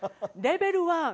レベル１。